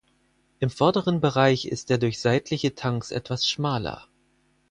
Im vorderen Bereich ist er durch seitliche Tanks etwas schmaler.